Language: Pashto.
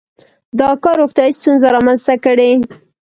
• دا کار روغتیايي ستونزې رامنځته کړې.